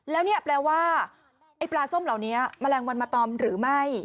แล้วเนี่ยแปลว่าไอ้ปลาส้มเหล่านี้แมลงวันมาตอมหรือไม่